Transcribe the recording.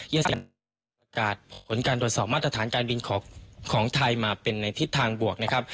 ประกาศผลการตรวจสอบมาตรฐานการบินของไทยมาเป็นในทิศทางบวกนะครับ